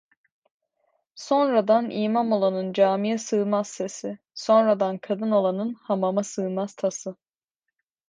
Sonradan imam olanın camiye sığmaz sesi; sonradan kadın olanın hamama sığmaz tası.